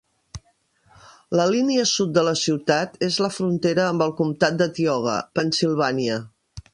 La línia sud de la ciutat és la frontera amb el comtat de Tioga, Pennsylvania.